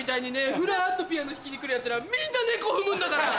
フラっとピアノ弾きに来るヤツらはみんな猫踏むんだから！